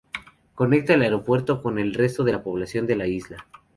Conecta el aeropuerto con el resto de poblaciones de la isla.